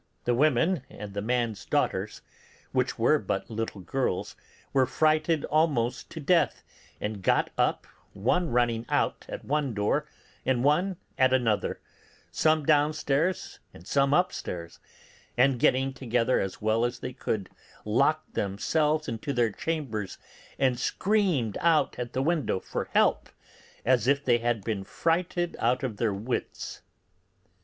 The women and the man's daughters, which were but little girls, were frighted almost to death and got up, one running out at one door and one at another, some downstairs and some upstairs, and getting together as well as they could, locked themselves into their chambers and screamed out at the window for help, as if they had been frighted out of their wits.